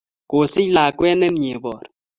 Kosich lakwet nemie bor